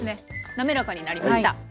滑らかになりました。